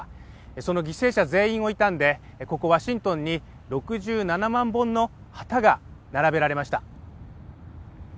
その犠牲者全員を悼んで、ここワシントンに６７万本の旗が並べられました。